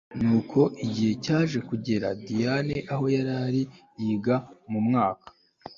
Nuko igihe caje kugera Diane aho yari yiga mumwaka